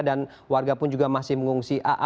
dan warga pun juga masih mengungsi